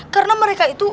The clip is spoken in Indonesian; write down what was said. karena mereka itu